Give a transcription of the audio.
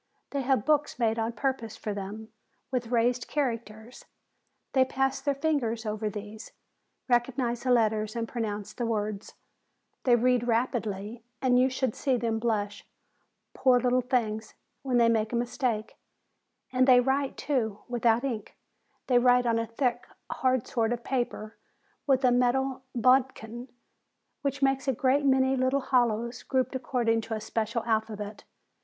They have books made on pur pose for them, with raised characters; they pass their fingers over these, recognize the letters and pronounce the words. They read rapidly; and you should see THE BLIND BOYS 157 them blush, poor little things, when they make a mis take. And they write, too, without ink. They write on a thick, hard sort of paper with a metal bodkin, which makes a great many little hollows, grouped according to a special alphabet.